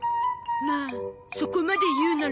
まあそこまで言うなら。